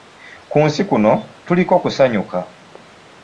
Ku nsi kuno tuliko kusayuka.